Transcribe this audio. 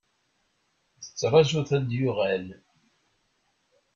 Tettraju-t ad d-yuɣal.